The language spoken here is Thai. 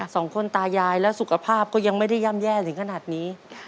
สองคนตายายและสุขภาพก็ยังไม่ได้ย่ำแย่ถึงขนาดนี้